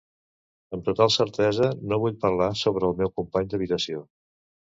Amb total certesa, no vull parlar sobre el meu company d'habitació.